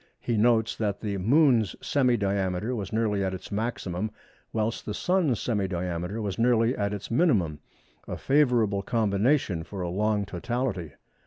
He notes that the Moon's semi diameter was nearly at its maximum whilst the Sun's semi diameter was nearly at its minimum—a favourable combination for a long totality.